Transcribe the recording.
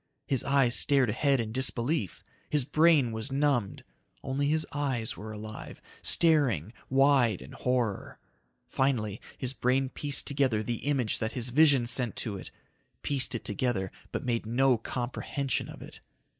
His eyes stared ahead in disbelief. His brain was numbed. Only his eyes were alive, staring, wide in horror. Finally his brain pieced together the image that his vision sent to it. Pieced it together but made no comprehension of it.